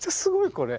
これ。